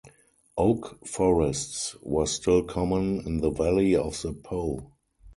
Oak forests were still common in the valley of the Po.